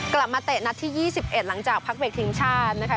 เตะนัดที่๒๑หลังจากพักเบรกทีมชาตินะคะ